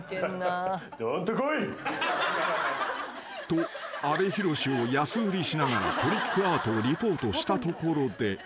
［と阿部寛を安売りしながらトリックアートをリポートしたところで］